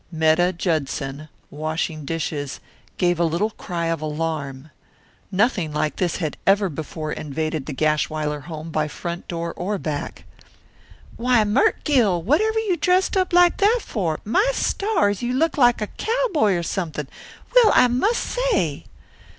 Metta Judson, washing dishes, gave a little cry of alarm. Nothing like this had ever before invaded the Gashwiler home by front door or back. "Why, Mert' Gill, whatever you dressed up like that for? My stars, you look like a cowboy or something! Well, I must say!"